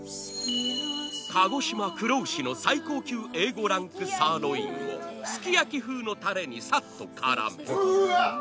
鹿児島黒牛の最高級Ａ５ランクサーロインをすき焼き風のタレにサッと絡めうわ！